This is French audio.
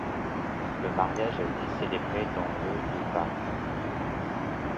Le mariage a été célébré dans le de Paris.